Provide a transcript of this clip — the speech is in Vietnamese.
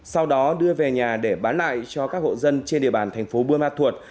sau đó đưa về nhà để bán lại cho các hộ dân trên địa bàn thành phố buôn ma thuột